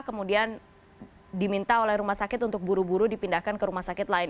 kemudian diminta oleh rumah sakit untuk buru buru dipindahkan ke rumah sakit lain